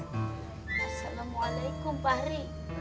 assalamualaikum pak hri